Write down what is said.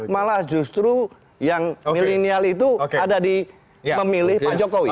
malah justru yang milenial itu ada di memilih pak jokowi